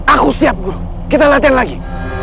aku siap guru kita latihan lagi